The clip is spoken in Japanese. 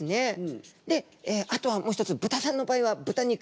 であとはもう一つ豚さんの場合は豚肉。